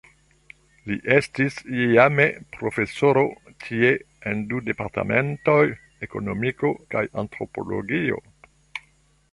Li estis iame profesoro tie en du departementoj, Ekonomiko kaj Antropologio.